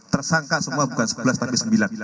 tersangka semua bukan sebelas tapi sembilan